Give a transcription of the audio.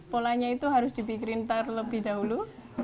polanya itu harus dipikirin terlebih dahulu